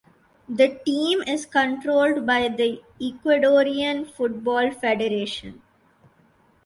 The team is controlled by the Ecuadorian Football Federation.